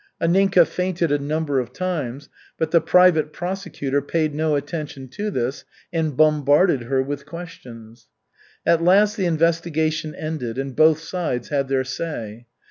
Anninka fainted a number of times, but the private prosecutor paid no attention to this and bombarded her with questions. At last the investigation ended, and both sides had their say.